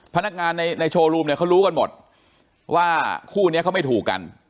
พนักงานในโชว์รูมเนี่ยเขารู้กันหมดว่าคู่นี้เขาไม่ถูกกัน